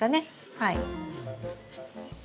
はい。